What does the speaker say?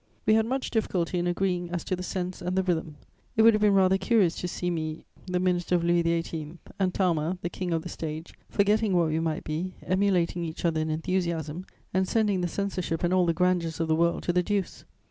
We had much difficulty in agreeing as to the sense and the rhythm. It would have been rather curious to see me, the minister of Louis XVIII., and Talma, the king of the stage, forgetting what we might be, emulating each other in enthusiasm, and sending the censorship and all the grandeurs of the world to the deuce.